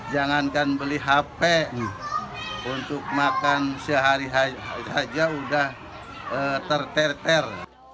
jangankan beli hp untuk makan sehari hari saja sudah terterter